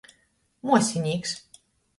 Muosinīks.